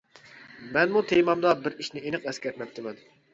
مەنمۇ تېمامدا بىر ئىشنى ئېنىق ئەسكەرتمەپتىمەن.